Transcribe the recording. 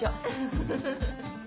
フフフフ。